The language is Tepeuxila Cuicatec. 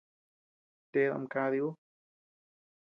Ted ama kadi uu.